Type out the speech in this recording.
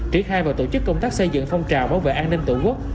triển khai và tổ chức công tác xây dựng phong trào bảo vệ an ninh tổ quốc